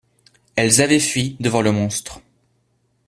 Elles avaient fui devant le monstre.